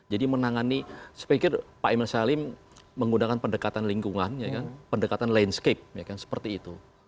jadi menangani saya pikir pak emil salim menggunakan pendekatan lingkungan pendekatan landscape seperti itu